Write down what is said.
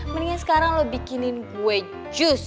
mendingan sekarang lo bikinin kue jus